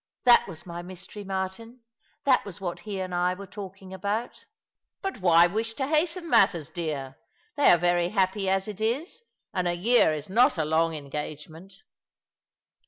That was my mystery, Martin. That was what he and I were talking about." " But why wish to hasten matters, dear ? They are very happy as it is — and a year is not a long engagement."